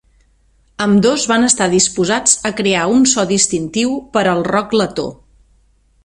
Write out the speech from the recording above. Ambdós van estar disposats a crear un so distintiu per al rock letó.